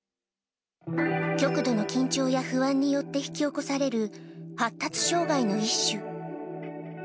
極度の緊張や不安によって引き起こされる、発達障害の一種。